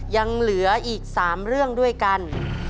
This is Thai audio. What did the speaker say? ยังเหลืออีก๓เรื่องด้วยกัน